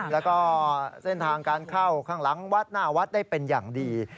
แล้วก็เส้นทางการเข้าข้างหลังวัดหน้าวัดได้เป็นอย่างดี